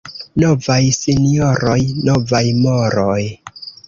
Novaj sinjoroj — novaj moroj.